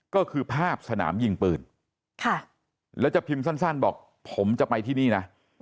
ก็คือภาพสนามยิงปืนแล้วจะพิมพ์สั้นบอกผมจะไปที่นี่นะ